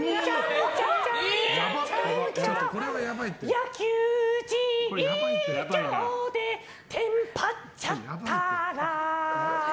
野球実況でテンパっちゃったら。